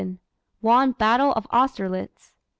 Won Battle of Austerlitz.